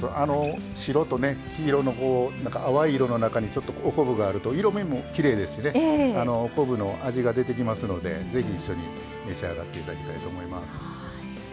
白と黄色の淡い色の中にちょっとお昆布があると色みもきれいですしね昆布の味が出てきますのでぜひ一緒に召し上がっていただきたいと思います。